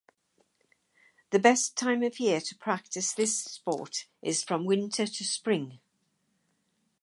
The best time of year to practice this sport is from winter to spring.